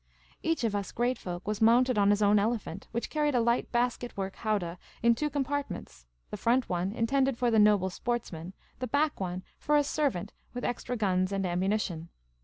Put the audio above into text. Each of us great folk was mounted on his own elephant, which carried a light basket work howdah in two compartments : the front one intended for the noble sportsman, the back one for a servant with extra guns and ammunition.